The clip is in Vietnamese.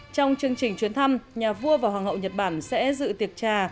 trong chương trình chuyến thăm nhà vua và hoàng hậu nhật bản sẽ dự tiệc trà